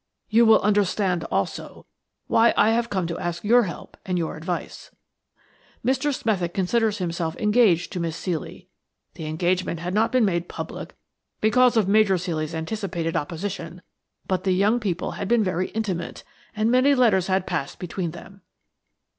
You will understand, also, why I have come to ask your help and your advice. Mr. Smethick considered himself engaged to Miss Ceely. The engagement had not been made public because of Major Ceely's anticipated opposition, but the young people had been very intimate, and many letters had passed between them.